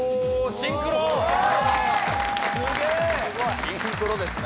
シンクロですね